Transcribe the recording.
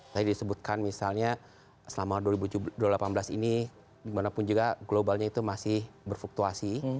tadi disebutkan misalnya selama dua ribu delapan belas ini dimanapun juga globalnya itu masih berfluktuasi